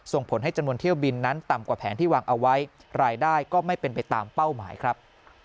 ส่งผลให้จำนวนเที่ยวบินนั้นต่ำกว่าแผนที่วางเอาไว้รายได้ก็ไม่เป็นไปตามเป้าหมายครับ